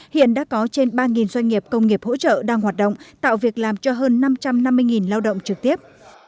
hiện đã có trên ba doanh nghiệp công nghiệp hỗ trợ đang hoạt động tạo việc làm cho hơn năm trăm năm mươi lao động trực tiếp